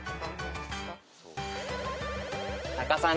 タカさん